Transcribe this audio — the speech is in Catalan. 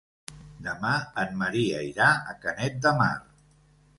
Demà en Maria irà a Canet de Mar.